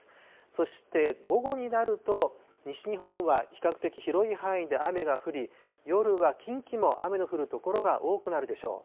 そして午後になると、西日本は比較的広い範囲で雨が降り、夜は近畿も雨の降る所が多くなるでしょう。